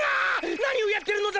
何をやってるのだ拙者は！